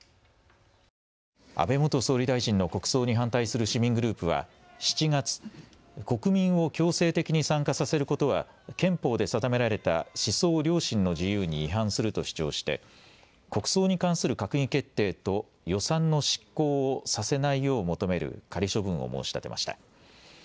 安倍元総理大臣の国葬に反対する市民グループは７月、国民を強制的に参加させることは憲法で定められた思想・良心の自由に違反すると主張して国葬に関する閣議決定と予算の執行をさせないよう求める仮処分を申し立てました。